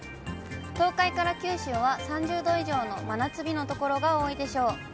東海から九州は３０度以上の真夏日の所が多いでしょう。